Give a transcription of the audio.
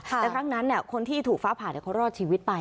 แต่ครั้งนั้นคนที่ถูกฟ้าผ่าเขารอดชีวิตไป